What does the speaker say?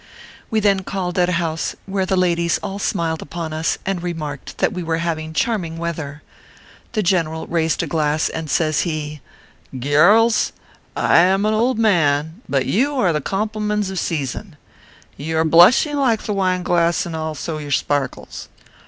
We then called at a house where the ladies all smiled upon us, and remarked that we were having charming weather. The general raised a glass, and says he :" Ge yurls, I am an old man ; but you are the complimeus of season. You are blushing like the wine glass, and also your sparkles.